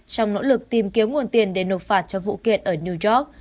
trong nỗ lực tìm kiếm nguồn tiền để nộp phạt cho vụ kiện ở new york